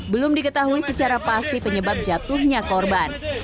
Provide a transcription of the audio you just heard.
belum diketahui secara pasti penyebab jatuhnya korban